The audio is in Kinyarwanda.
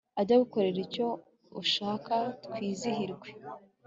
ajye agukorera icyo ushaka twizihirwe